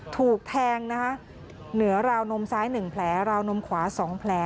ถูกแทงนะคะเหนือราวนมซ้าย๑แผลราวนมขวา๒แผล